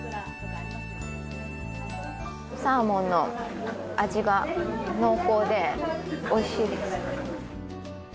サーモンの味が濃厚でおいしいです。